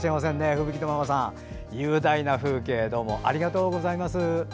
ふぶきのママさん、雄大な風景どうもありがとうございます。